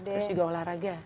terus juga olahraga